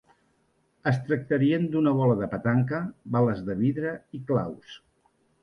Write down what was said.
Es tractarien d’una bola de petanca, bales de vidre i claus.